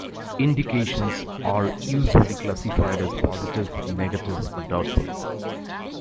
Indications are usually classified as positive, negative, or doubtful.